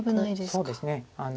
そうですね